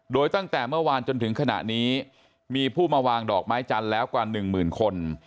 โดยตั้งแต่เมื่อวานจนถึงขณะนี้มีผู้มาวางดอกไม้จันทร์แล้วกว่าหนึ่งหมื่นคน